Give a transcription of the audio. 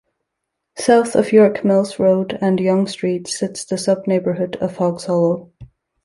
South of York Mills Road and Yonge Street sits the sub-neighbourhood of Hoggs Hollow.